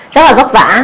rất là vất vả